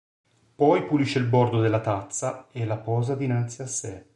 Poi pulisce il bordo della tazza e la posa dinanzi a sé.